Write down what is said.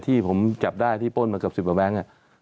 ที่ผมจับได้ที่ป้นมาเกือบ๑๐บาทแบงค์เนี่ย